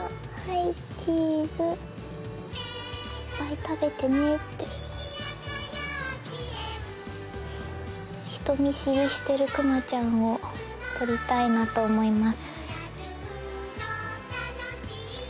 「いっぱい食べてね」って人見知りしてるクマちゃんを撮りたいなと思います